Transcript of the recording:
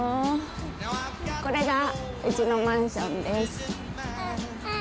これがうちのマンションです。